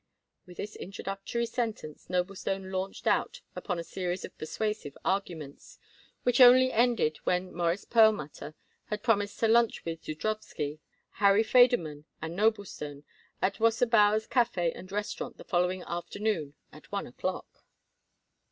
With this introductory sentence, Noblestone launched out upon a series of persuasive arguments, which only ended when Morris Perlmutter had promised to lunch with Zudrowsky, Harry Federmann and Noblestone at Wasserbauer's Café and Restaurant the following afternoon at one o'clock.